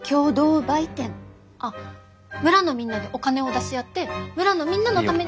あっ村のみんなでお金を出し合って村のみんなのために。